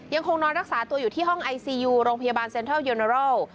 ยังคงนอนรักษาตัวอยู่ที่ห้องไอซียูโรงพยาบาลเซ็นทรัลยูเนรอล